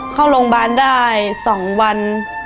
เข้าโรงพยาบาลได้๒วัน